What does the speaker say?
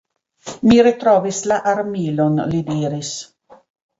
Mi retrovis la armilon, li diris.